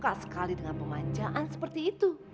dan dia juga suka dengan pemanjaan seperti itu